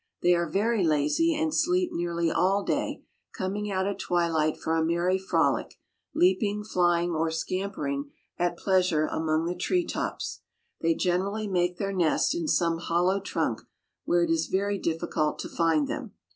They are very lazy, and sleep nearly all day, coming out at twilight for a merry frolic, leaping, flying, or scampering at pleasure among the tree tops. They generally make their nest in some hollow trunk, where it is very difficult to find them.